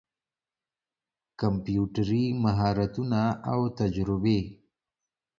کمپيوټري مهارتونه او تجربې